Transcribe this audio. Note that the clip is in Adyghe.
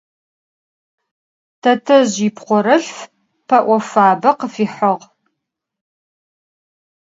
Tetezj yipxhorelhf pe'o fabe khıfihığ.